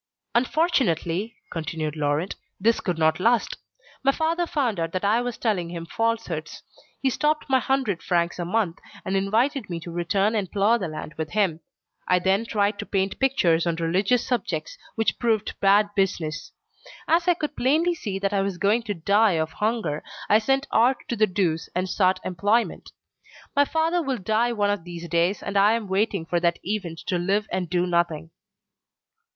"Unfortunately," continued Laurent, "this could not last. My father found out that I was telling him falsehoods. He stopped my 100 francs a month, and invited me to return and plough the land with him. I then tried to paint pictures on religious subjects which proved bad business. As I could plainly see that I was going to die of hunger, I sent art to the deuce and sought employment. My father will die one of these days, and I am waiting for that event to live and do nothing."